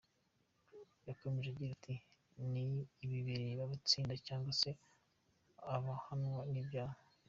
Yakomeje agira ati : “Ibi bireba abatsinda cyangwa se abahamwa n’ibyaha”.